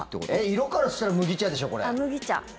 色からしたら麦茶でしょ、これ。